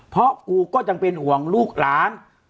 เพราะกูก็ยังเป็นห่วงลูกหลาน